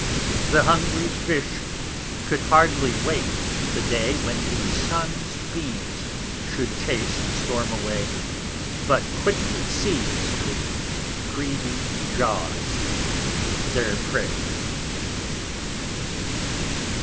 The hungry Fish could hardly wait the day, When the Sun's beams should chase the Storm away, But quickly seize with greedy Jaws their Prey.